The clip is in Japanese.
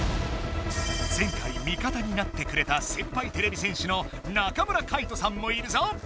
前回味方になってくれた先輩てれび戦士の中村嘉惟人さんもいるぞ！